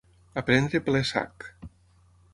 A prendre ple sac.